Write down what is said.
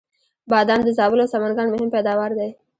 بادام د زابل او سمنګان مهم پیداوار دی